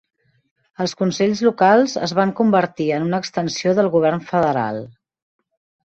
Els Consells Locals es van convertir en una extensió del govern Federal.